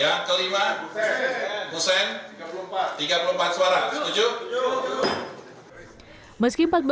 yang kelima husein tiga puluh empat suara setuju